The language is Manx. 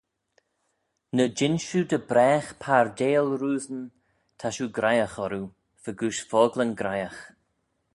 Ny jean shiu dy bragh pardaill roosyn ta shiu graihagh orroo fegooish focklyn graihagh.